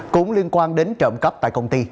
cũng liên quan đến trộm cắp tại công ty